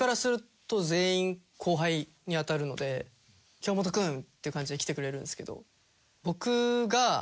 「京本君！」っていう感じで来てくれるんですけど。